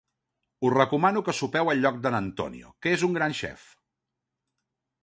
Us recomano que sopeu al lloc de n'Antonio, que és un gran xef.